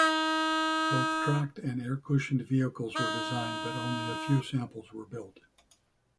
Both tracked and air-cushioned vehicles were designed, but only a few samples were built.